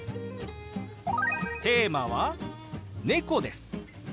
テーマは「猫」です。